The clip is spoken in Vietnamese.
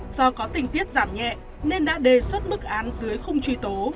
do có tính tiết giảm nhẹ nên đã đề xuất bức án dưới không truy tố